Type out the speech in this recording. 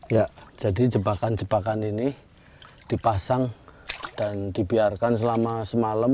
ya jadi jebakan jebakan ini dipasang dan dibiarkan selama semalam